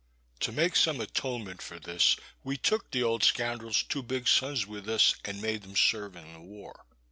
To make some atonement for this, we took the old scroundrell's two big sons with us, and made them serve in the war.